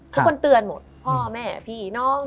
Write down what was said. ทุกคนเตือนหมดพ่อแม่พี่น้อง